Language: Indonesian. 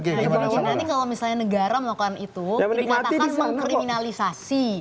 jadi nanti kalau misalnya negara melakukan itu dikatakan mengkriminalisasi